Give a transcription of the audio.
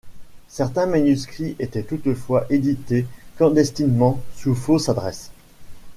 Certains manuscrits étaient toutefois édités clandestinement sous fausse adresse.